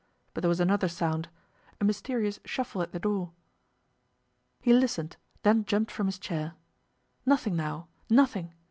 But there was another sound a mysterious shuffle at the door. He listened; then jumped from his chair. Nothing now! Nothing!